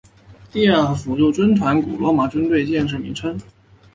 第二辅助军团古罗马军队建制名称。